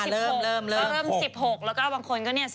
ก็เริ่ม๑๖เริ่มแล้วบางคนก็๑๗